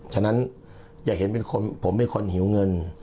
ฉะนั้นยังเห็นเป็นคนผมเป็นคนหิวเงิน